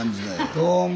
どうも。